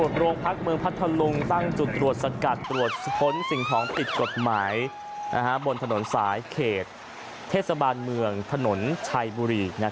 หลังจุดตรวจสกัดตรวจผลสิ่งท้องติดกฎหมายบนถนนสายเขตเทศบาลเมืองถนนชายบุรี